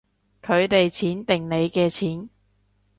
佢哋錢定你嘅錢